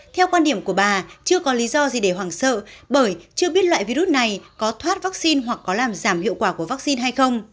theo quan điểm của bà chưa có lý do gì để hoảng sợ bởi chưa biết loại virus này có thoát vaccine hoặc có làm giảm hiệu quả của vaccine hay không